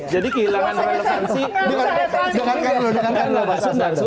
jadi sudah kehilangan relevansi